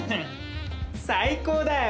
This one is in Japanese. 最高だよ！